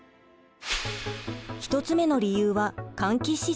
１つ目の理由は換気システム。